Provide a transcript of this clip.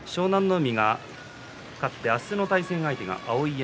海が勝って明日の対戦相手が碧山。